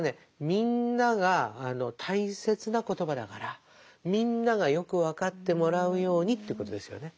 みんなが大切な言葉だからみんながよく分かってもらうようにということですよね。